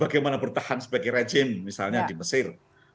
bagaimana bertahan sebagai rejim misalnya di mesir